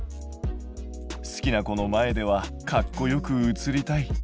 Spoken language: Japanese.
好きな子の前ではかっこよく写りたい。